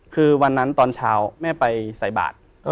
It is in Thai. คือวันนั้นตอนเช้าแม่ไปใส่บาท